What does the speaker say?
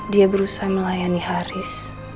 dia berusaha melayani haris